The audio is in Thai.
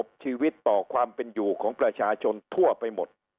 และกระทบชีวิตต่อความเป็นอยู่ของประชาชนทั่วไปหมดเจ็บกันทั่วไปหมดทั้งแผ่นดิน